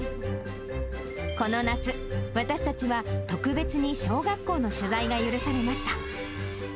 この夏、私たちは特別に小学校の取材が許されました。